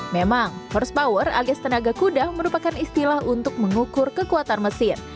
memang first power alias tenaga kuda merupakan istilah untuk mengukur kekuatan mesin